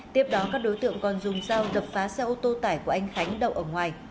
tiếp đó các đối tượng còn dùng dao đập phá xe ô tô tải của anh khánh đậu ở ngoài